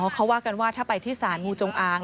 เขาว่ากันว่าถ้าไปที่สารงูจงอาง